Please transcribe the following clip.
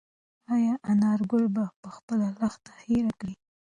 ایا انارګل به خپله لښته هېره کړي؟